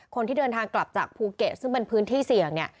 คนที่เดินทางกลับจากภูเก็ตซึ่งเป็นพื้นที่เสี่ยงเนี่ย